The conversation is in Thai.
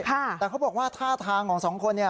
แต่เขาบอกว่าท่าทางของ๒คน